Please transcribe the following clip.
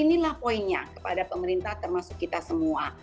inilah poinnya kepada pemerintah termasuk kita semua